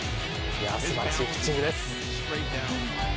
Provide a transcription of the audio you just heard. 素晴らしいピッチングです。